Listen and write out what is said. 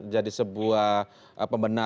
jadi sebuah pemenang